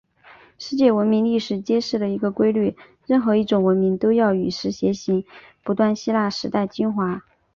世界文明历史揭示了一个规律：任何一种文明都要与时偕行，不断吸纳时代精华。